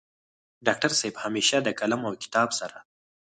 ډاکټر صيب همېشه د قلم او کتاب سره